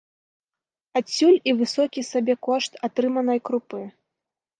Адсюль і высокі сабекошт атрыманай крупы.